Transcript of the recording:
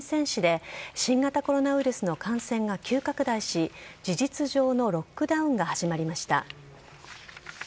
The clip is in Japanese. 市で新型コロナウイルスの感染が急拡大し、事実上のロックダウンが始まりました。